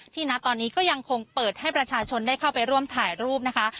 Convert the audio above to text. ณตอนนี้ก็ยังคงเปิดให้ประชาชนได้เข้าไปร่วมถ่ายรูปนะคะ